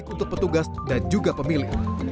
untuk petugas dan juga pemilih